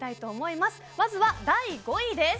まずは第５位です。